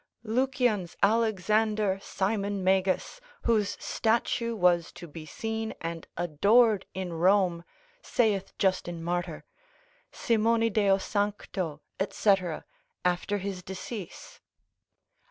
Lucian's Alexander Simon Magus, whose statue was to be seen and adored in Rome, saith Justin Martyr, Simoni deo sancto, &c., after his decease.